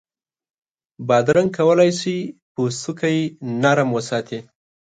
بادرنګ کولای شي پوستکی نرم وساتي.